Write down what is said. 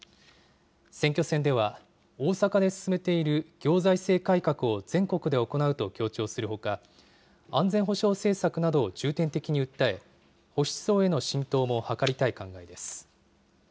選挙戦では、大阪で進めている行財政改革を全国で行うと強調するほか、安全保障政策などを重点的に訴え、保守層への浸透も図りたい考えです。